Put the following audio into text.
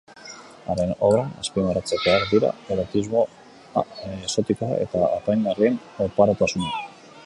Haren obran azpimarratzekoak dira erotismo exotikoa eta apaingarrien oparotasuna.